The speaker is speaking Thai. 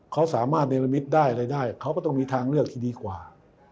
เขาสามารถเนรมิตได้อะไรได้เขาก็ต้องมีทางเลือกที่ดีกว่า